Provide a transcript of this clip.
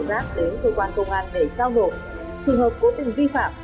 để rác đến cơ quan công an để giao nổ trường hợp cố tình vi phạm